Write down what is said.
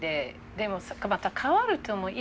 でもまた変わると思う。